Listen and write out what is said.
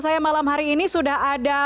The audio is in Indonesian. saya malam hari ini sudah ada